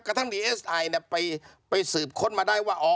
กระทั่งดีเอสไอไปสืบค้นมาได้ว่า